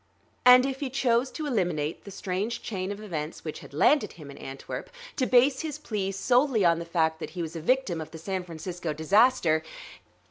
And if he chose to eliminate the strange chain of events which had landed him in Antwerp, to base his plea solely on the fact that he was a victim of the San Francisco disaster